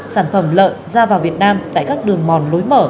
sản phẩm lợn ra vào việt nam tại các đường mòn lối mở